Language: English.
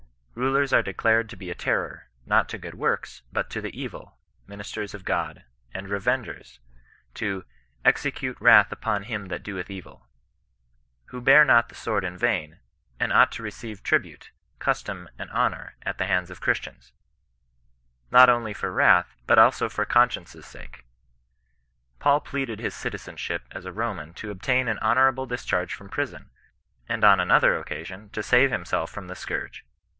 Riders are declared to be a terror, not to good works, but to the evil, ministers of God, and revengers to execute wrath upon him that doeth evil ;" who bear not the sword in vain, and ought to receive tribute, custom, and honour at the hands of Christians," not only for wrath, but also for conscience^ sake" Paid pleaded nis citizen ship as a Roman to obtain an honourable discharge £nmi prison, and on another occasion to save himself from the scourge.